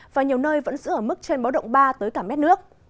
và nhiều nơi vẫn giữ ở mức trên báo động ba tới cả mét nước